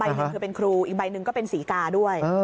หนึ่งคือเป็นครูอีกใบหนึ่งก็เป็นศรีกาด้วย